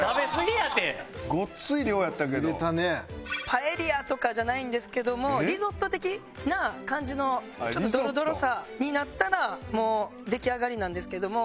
パエリアとかじゃないんですけどもリゾット的な感じのちょっとドロドロさになったらもう出来上がりなんですけども。